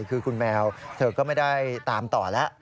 คือคุณแมวเธอก็ไม่ได้ตามต่อแล้ว